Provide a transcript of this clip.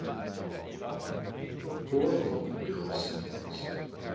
XXXV Poor old Bill Simpkins!